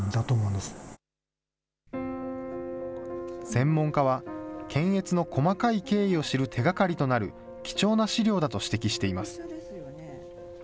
専門家は、検閲の細かい経緯を知る手がかりとなる貴重な資料だと指摘しています。